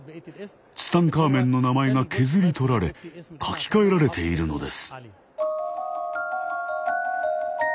ツタンカーメンの名前が削り取られ書き換えられているのです。